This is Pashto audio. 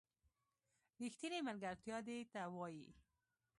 ریښتینې ملگرتیا دې ته وايي